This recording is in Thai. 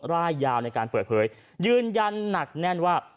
ร่ายยาวในการเปิดเผยยืนยันหนักแน่นว่า